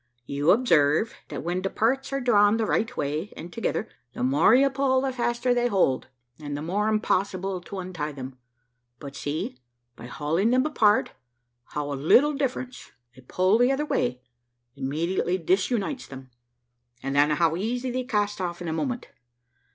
You observe, that when the parts are drawn the right way, and together, the more you pull, the faster they hold, and the more impossible to untie them; but see, by hauling them apart, how a little difference, a pull the other way, immediately disunites them, and then how easy they cast off in a moment.